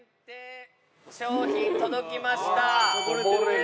商品届きました。